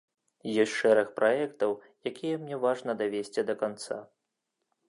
Ёсць шэраг праектаў, якія мне важна давесці да канца.